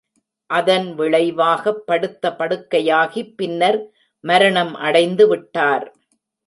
அதன் விளைவாகப் படுத்த படுக்கையாகி, பின்னர் மரணம் அடைந்து விட்டார்.